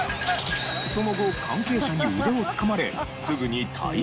その後関係者に腕をつかまれすぐに退場となった。